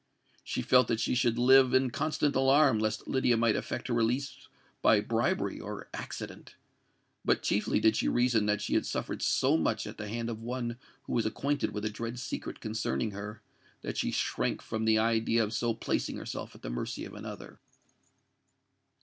She felt that she should live in constant alarm lest Lydia might effect her release by bribery or accident. But chiefly did she reason that she had suffered so much at the hand of one who was acquainted with a dread secret concerning her, that she shrank from the idea of so placing herself at the mercy of another.